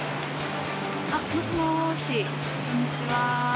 もしもしこんにちは。